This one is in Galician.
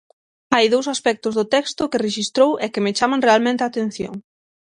Hai dous aspectos do texto que rexistrou e que me chaman realmente a atención.